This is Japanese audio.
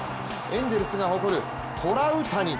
エンゼルスが誇るトラウタニ。